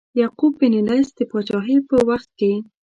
یعقوب بن لیث د پاچهۍ په وخت کې.